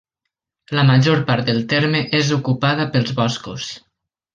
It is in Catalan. La major part del terme és ocupada pels boscos.